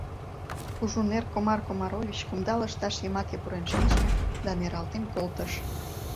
Кужу Нер Комар Комарович кумда лышташ йымаке пурен шинче да нералтен колтыш.